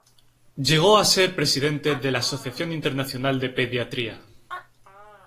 Llegó a ser presidente de la Asociación Internacional de Pediatría.